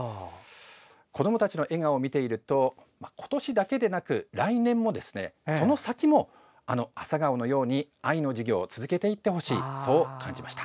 子どもたちの笑顔を見ていると今年だけでなく来年もその先も、朝顔のように藍の授業を続けていってほしいそう感じました。